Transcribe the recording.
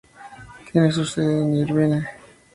Tiene su sede en Irvine.